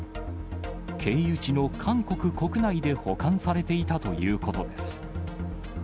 経由地の韓国国内で保管されていたということです。